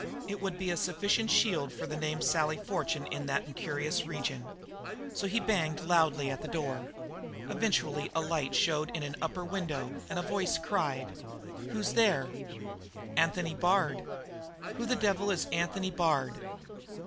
It would be a sufficient shield for the name of Sally Fortune in that incurious region. So he banged loudly at the door. Eventually a light showed in an upper window and a voice cried: "Who's there?" "Anthony Bard." "Who the devil is Anthony Bard?"